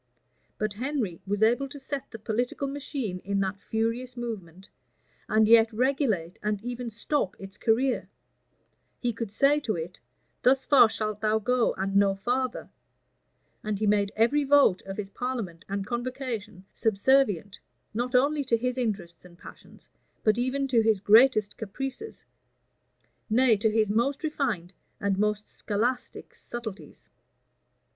But Henry was able to set the political machine in that furious movement, and yet regulate and even stop its career: he could say to it, Thus far shalt thou go, and no farther: and he made every vote of his parliament and convocation subservient, not only to his interests and passions, but even to his greatest caprices; nay, to his most refined and most scholastic subtilties.